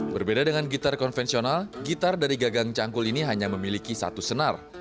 berbeda dengan gitar konvensional gitar dari gagang cangkul ini hanya memiliki satu senar